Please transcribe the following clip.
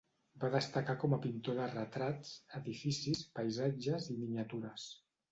Va destacar com a pintor de retrats, edificis, paisatges i miniatures.